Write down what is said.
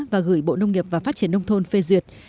và gửi bộ nông nghiệp và phát triển nông thôn phê duyệt